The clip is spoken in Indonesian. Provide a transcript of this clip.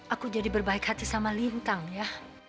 aku jadi berbaik hati sama lintang ya